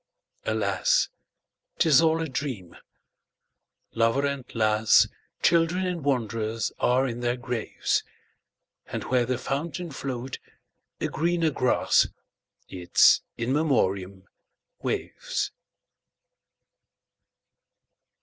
Alas! 't is all a dream. Lover and lass, Children and wanderers, are in their graves; And where the fountain flow'd a greener grass—Its In Memoriam—waves.